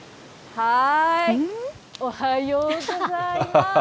はーい、おはようございます。